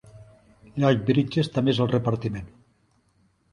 Lloyd Bridges també és al repartiment.